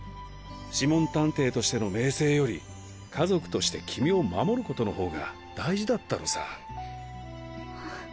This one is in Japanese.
諮問探偵としての名声より家族として君を守ることのほうが大事だったのさ。